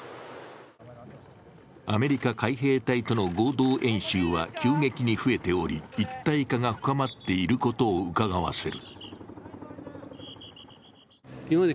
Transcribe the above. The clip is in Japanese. アメリカ海兵隊との合同演習は急激に増えており、一体化が深まっていることをうかがわせる。